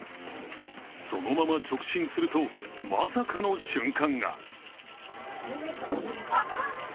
そのまま直進すると、まさかの瞬間が。